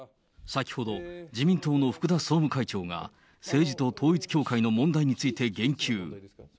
先ほど、自民党の福田総務会長が、政治と統一教会の問題について言及。